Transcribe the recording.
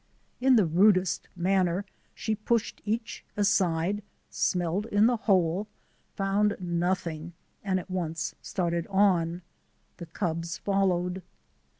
In the rudest manner she pushed each aside, smelled in the hole, found nothing, and at once started on. The cubs fol lowed.